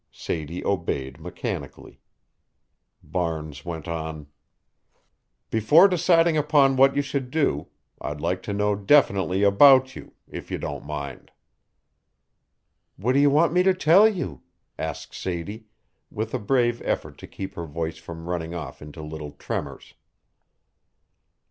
Sadie obeyed mechanically. Barnes went on: "Before deciding upon what you should do, I'd like to know definitely about you if you don't mind." "What do you want me to tell you?" asked Sadie, with a brave effort to keep her voice from running off into little tremors.